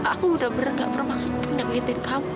aku udah beranggap bermaksud punya pahlawan kamu